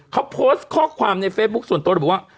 เขาโพสต์ข้อความในเฟซบุ๊คส่วนตัวระบุว่า